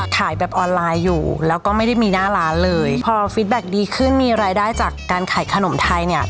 ขายแบบออนไลน์อยู่แล้วก็ไม่ได้มีหน้าร้านเลยพอฟิตแบ็คดีขึ้นมีรายได้จากการขายขนมไทยเนี่ย